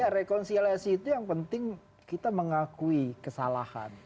ya rekonsiliasi itu yang penting kita mengakui kesalahan